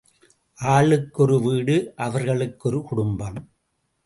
ஆளுக்கு ஒரு வீடு அவர்களுக்கு ஒரு குடும்பம்.